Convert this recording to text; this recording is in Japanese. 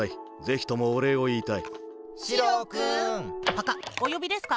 パカッおよびですか？